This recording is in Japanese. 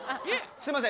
すいません